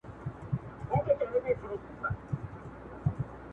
په داغه یوه خبره د زړه تسلي کوي